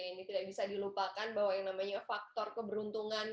ini tidak bisa dilupakan bahwa yang namanya faktor keberuntungan